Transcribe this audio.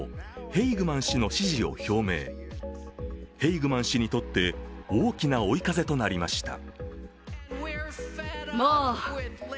ヘイグマン氏にとって大きな追い風となりました。